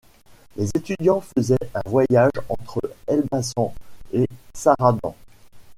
Les étudiants faisaient un voyage entre Elbasan et Saranda.